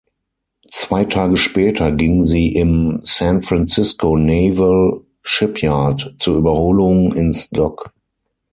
Zwei Tage später ging sie im San Francisco Naval Shipyard zur Überholung ins Dock.